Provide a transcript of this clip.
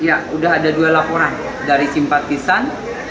ya sudah ada dua laporan dari simpatisan